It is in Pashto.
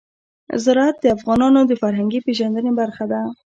زراعت د افغانانو د فرهنګي پیژندنې برخه ده.